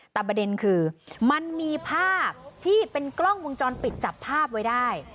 แต่ประเด็นคือมันมีภาพที่เป็นกล้องวงจรปิดจับภาพไว้ได้